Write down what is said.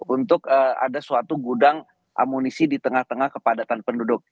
untuk ada suatu gudang amunisi di tengah tengah kepadatan penduduk